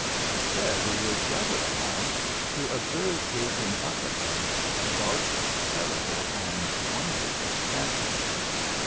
Instead he was rather alarmed to observe gazing up at him a dark, terrible, and wonderful phantom.